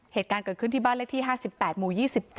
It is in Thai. เหตุการณ์เกิดขึ้นที่บ้านเลขที่๕๘หมู่๒๗